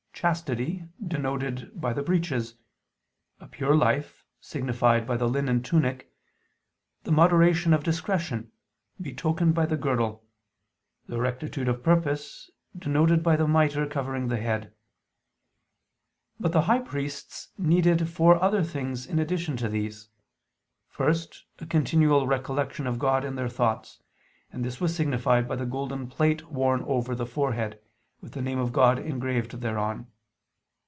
chastity denoted by the breeches; a pure life, signified by the linen tunic; the moderation of discretion, betokened by the girdle; and rectitude of purpose, denoted by the mitre covering the head. But the high priests needed four other things in addition to these. First, a continual recollection of God in their thoughts; and this was signified by the golden plate worn over the forehead, with the name of God engraved thereon.